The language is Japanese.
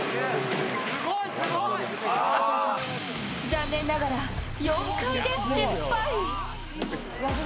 残念ながら４回で失敗。